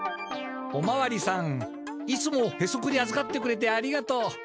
おまわりさんいつもへそくりあずかってくれてありがとう。